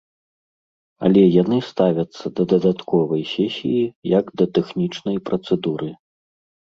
Але яны ставяцца да дадатковай сесіі як да тэхнічнай працэдуры.